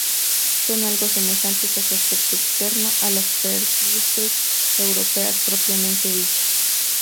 Son algo semejantes en su aspecto externo a las perdices europeas propiamente dichas.